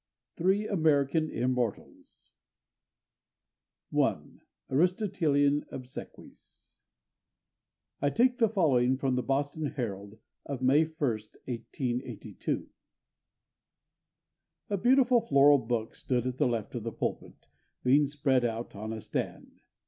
THREE AMERICAN IMMORTALS 1 Aristotelean Obsequies I take the following from the Boston Herald of May 1, 1882: A beautiful floral book stood at the left of the pulpit, being spread out on a stand....